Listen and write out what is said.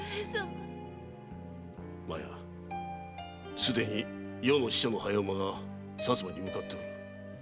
すでに余の使者の早馬が薩摩に向かっておる。